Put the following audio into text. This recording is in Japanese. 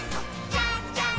じゃんじゃん！